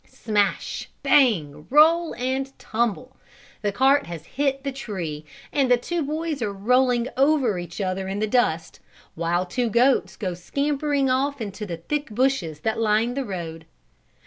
Smash, bang, roll and tumble! the cart has hit the tree and two boys are rolling over each other in the dust, while two goats go scampering off into the thick bushes that line the road.